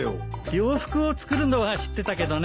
洋服を作るのは知ってたけどね。